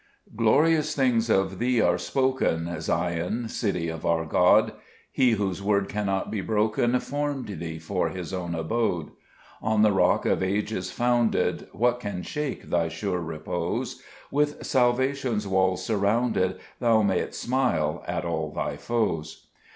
GLORIOUS things of thee are spoken, Zion, city of our God ; He whose word cannot be broken Formed thee for His own abode : On the Rock of Ages founded, What can shake thy sure repose ? With salvation's walls surrounded, Thou mayst smile at all thy foes.